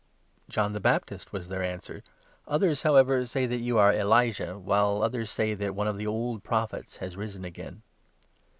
" "John the Baptist," was their answer; "others, however, say that you are Elijah, while others say that one of the old Prophets has risen again."